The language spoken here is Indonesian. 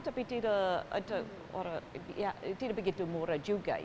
tapi tidak begitu murah juga